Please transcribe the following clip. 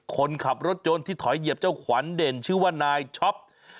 คนขับรถยนต์ที่ถอยเหยียบเจ้าขวัญเด่นชื่อว่านายช็อป